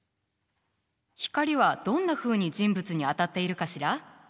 光はどんなふうに人物に当たっているかしら？